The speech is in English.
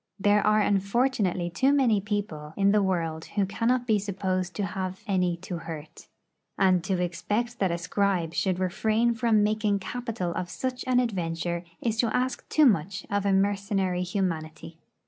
There are unfortunately too many people in the world who cannot be supposed to have any to hurt. And to expect that a scribe should refrain from making capital of such an adventure is to ask too much of mercenary humanity.